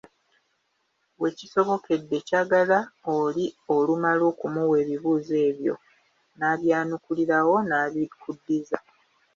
We kisobokedde, kyagala oli olumala okumuwa ebibuuzo ebyo, n’abyanukulirawo n’abikuddiza.